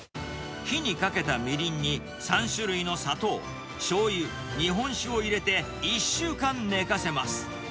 火にかけたみりんに、３種類の砂糖、しょうゆ、日本酒を入れて１週間寝かせます。